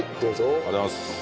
ありがとうございます。